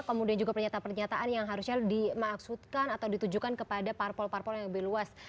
kemudian juga pernyataan pernyataan yang harusnya dimaksudkan atau ditujukan kepada parpol parpol yang lebih luas